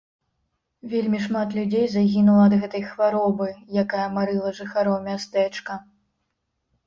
Вельмі шмат людзей загінула ад гэтай хваробы, якая марыла жыхароў мястэчка.